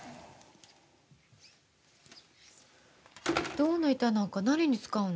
銅の板なんか何に使うの？